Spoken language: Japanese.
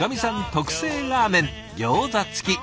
特製ラーメンギョーザ付き。